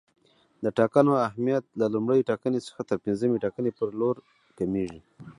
د ټاکنو اهمیت له لومړۍ ټاکنې څخه تر پنځمې ټاکنې پر لور کمیږي.